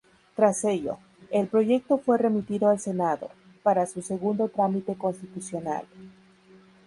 Tras ello, el proyecto fue remitido al Senado, para su segundo trámite constitucional.